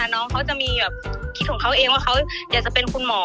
น้องเขาจะมีแบบคิดของเขาเองว่าเขาอยากจะเป็นคุณหมอ